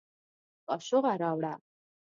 کاشوغه راوړه